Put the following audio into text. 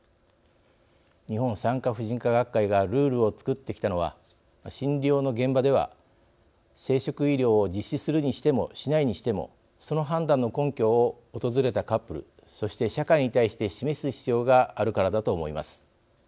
日本産科婦人科学会がルールをつくってきたのは診療の現場では生殖医療を実施するにしてもしないにしてもその判断の根拠を訪れたカップルそして社会に対して示す必要があるからだと思います。